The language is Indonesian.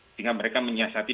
sehingga mereka menyiasati